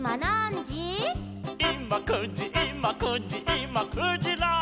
「いま９じいま９じいま９じら」